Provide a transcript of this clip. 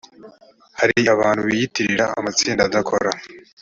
hari abantu biyitirira amatsinda adakora